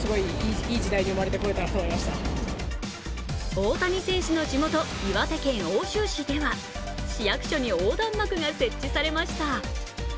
大谷選手の地元・岩手県奥州市では市役所に横断幕が設置されました。